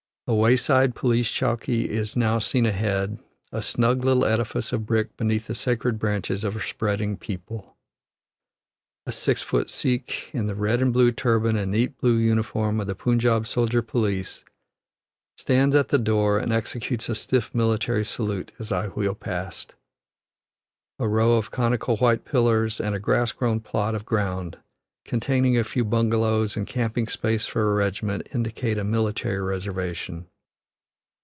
A wayside police chowkee is now seen ahead, a snug little edifice of brick beneath the sacred branches of a spreading peepul. A six foot Sikh, in the red and blue turban and neat blue uniform of the Punjab soldier police, stands at the door and executes a stiff military salute as I wheel past. A row of conical white pillars and a grass grown plot of ground containing a few bungalows and camping space for a regiment indicate a military reservation.